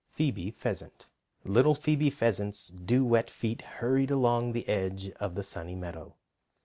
PHOEBE PHEASANT LITTLE Phoebe Pheasant's dew wet feet hurried along the edge of the Sunny Meadow.